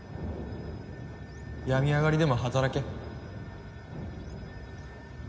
病み上がりでも働け。